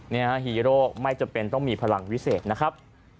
ฮีโร่ไม่จำเป็นต้องมีพลังวิเศษนะครับ